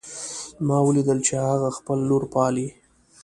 ما ولیدل چې هغه خپله لور پالي